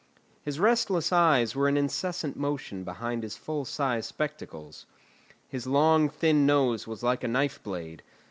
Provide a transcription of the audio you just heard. His restless eyes were in incessant motion behind his full sized spectacles. His long, thin nose was like a knife blade.